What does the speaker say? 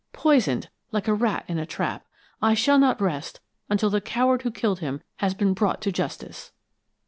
Poisoned like a rat in a trap! I shall not rest until the coward who killed him has been brought to justice!"